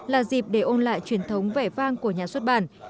là dịp để ôn lại truyền thống vẻ vang của nhà xuất bản